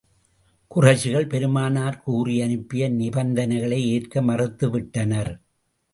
குறைஷிகள், பெருமானார் கூறி அனுப்பிய நிபந்தனைகளை ஏற்க மறுத்து விட்டனர்.